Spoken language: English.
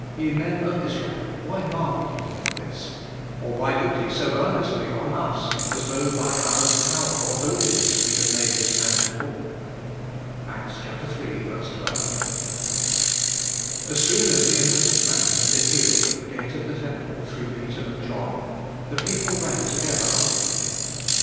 Ye men of Israel, why marvel ye at thial or why look ye so earnestly on us, as though hy oiu own power or holiness, we had matte tills man to walk? (Acts iii. 12). AS soon as the impotent man had been healed at tie gate of the temple, through Peter and Joton, the peo ple ran together unto them.